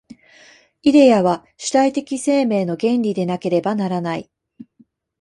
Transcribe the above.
イデヤは主体的生命の原理でなければならない。